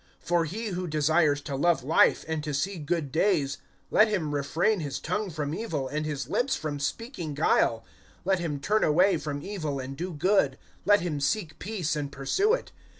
(10)For he who desires to love life, and to see good days, let him refrain his tongue from evil, and his lips from speaking guile; (11)let him turn away from evil, and do good; let him seek peace, and pursue it.